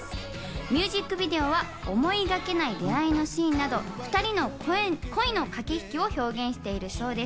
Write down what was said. ミュージックビデオは、思いがけない出会いのシーンなど、２人の恋の駆け引きを表現しているそうです。